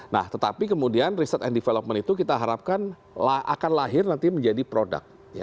nah tetapi kemudian research and development itu kita harapkan akan lahir nanti menjadi produk